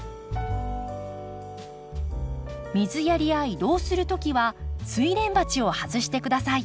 水やりや移動する時はスイレン鉢を外して下さい。